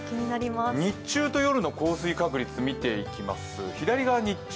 日中と夜の降水確率、見ていきます